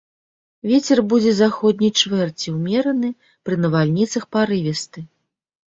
Вецер будзе заходняй чвэрці ўмераны, пры навальніцах парывісты.